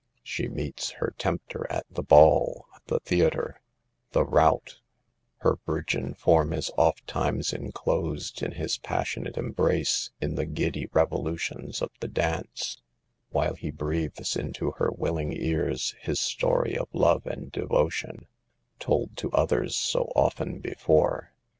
She meets her tempter at the ball, the theater, the rout ; her virgin form is ofttimes enclosed in his pas sionate embrace in the giddy revolutions of the dance, while he breathes into her willing ears his story of love and devotion, told to others so often before.